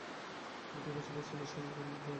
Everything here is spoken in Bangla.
মেট্রিক পাসের পর সিলেট সরকারি এমসি কলেজে ভর্তি হন।